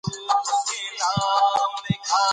ازادي راډیو د سیاست په اړه د خلکو پوهاوی زیات کړی.